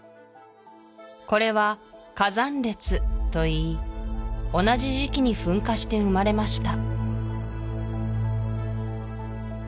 これは火山列といい同じ時期に噴火して生まれました